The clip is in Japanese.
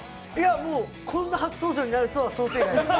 もう、こんな初登場になるとは想定外でした。